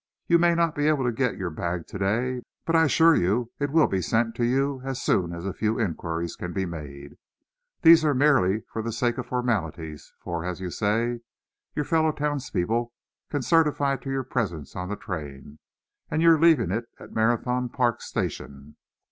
You may not be able to get your bag to day, but I assure you it will, be sent to you as soon as a few inquiries can be made. These are merely for the sake of formalities, for, as you say, your fellow townspeople can certify to your presence on the train, and your leaving it at the Marathon Park station."